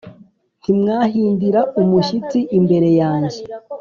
Ntimwahindira umushyitsi imbere yanjye